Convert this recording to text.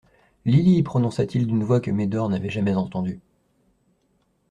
Lily ! prononça-t-il d'une voix que Médor n'avait jamais entendue.